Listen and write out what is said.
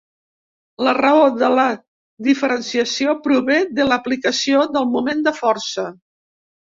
La raó de la diferenciació prové de l'aplicació del moment de força.